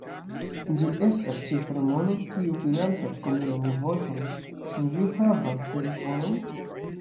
Ĝi estas ĉifromono kiu financas Komunan Voĉon. Ĉu vi havas telefonon?